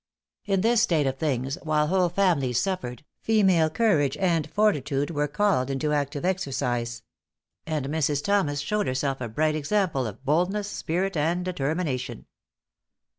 In this state of things, while whole families suffered, female courage and fortitude were called into active exercise; and Mrs. Thomas showed herself a bright example of boldness, spirit and determination.